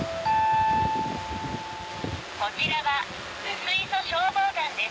こちらは薄磯消防団です。